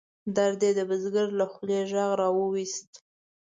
درد یې د بزګر له خولې غږ را ویوست.